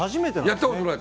やったことない。